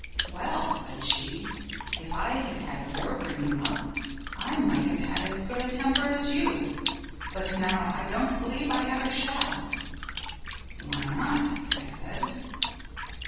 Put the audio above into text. "Well," said she, "if I had had your bringing up I might have had as good a temper as you, but now I don't believe I ever shall." "Why not?" I said.